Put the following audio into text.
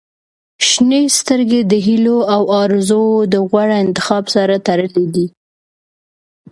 • شنې سترګې د هیلو او آرزووو د غوره انتخاب سره تړلې دي.